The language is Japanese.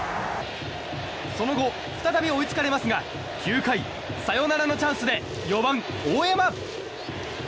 その後再び追いつかれますが９回サヨナラのチャンスで４番、大山。